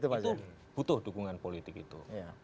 itu butuh dukungan politik itu